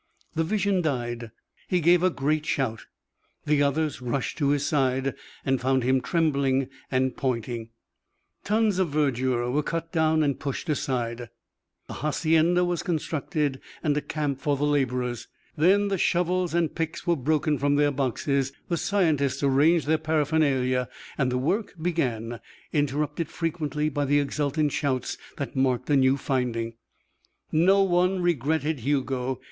The vision died. He gave a great shout. The others rushed to his side and found him trembling and pointing. Tons of verdure were cut down and pushed aside. A hacienda was constructed and a camp for the labourers. Then the shovels and picks were broken from their boxes; the scientists arranged their paraphernalia, and the work began, interrupted frequently by the exultant shouts that marked a new finding. No one regretted Hugo.